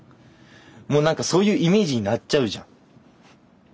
もうなんかそういうイメージになっちゃうじゃん。